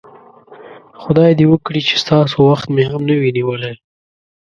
خدای دې وکړي چې ستاسو وخت مې هم نه وي نیولی.